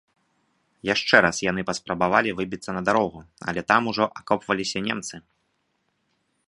Яшчэ раз яны паспрабавалі выбіцца на дарогу, але там ужо акопваліся немцы.